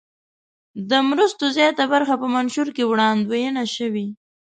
د مرستو زیاته برخه په منشور کې وړاندوینه شوې.